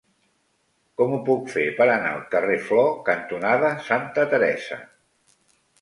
Com ho puc fer per anar al carrer Flor cantonada Santa Teresa?